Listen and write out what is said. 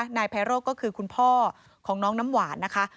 นายไพโร่ก็คือคุณพ่อของน้องน้ำหวานนะคะ